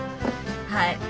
はい。